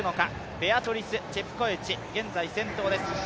ベアトリス・チェプコエチ、現在先頭です。